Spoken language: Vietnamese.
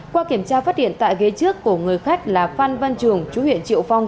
qua kiểm tra phát hiện tại ghế trước của người khách là phan văn trường chú huyện triệu phong